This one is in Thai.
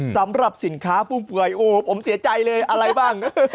สำหรับสินค้าฟุ่มเฟื่อยโอ้ผมเสียใจเลยอะไรบ้าง